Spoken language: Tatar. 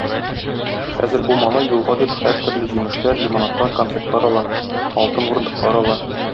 Хәзер бу малай юлга дип һәртөрле җимешләр, лимонадлар, конфетлар ала, алтын урындыклар ала.